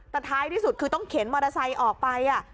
แต่ท้ายที่สุดคือต้องเข็นมอเตอร์ไซค์ออกไป